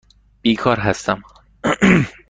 بیکار هستم.